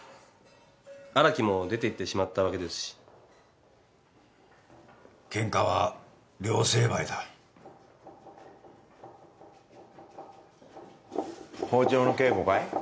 荒木も出て行ってしまったわけですしケンカは両成敗だ包丁の稽古かい？